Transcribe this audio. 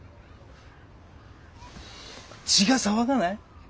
血が騒がない？